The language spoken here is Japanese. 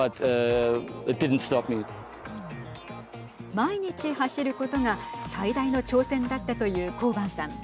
毎日走ることが最大の挑戦だったと言うコーバンさん。